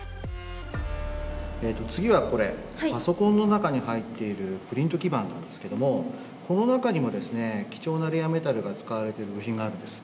えっと次はこれパソコンの中に入っているプリント基板なんですけどもこの中にもですね貴重なレアメタルが使われている部品があるんです。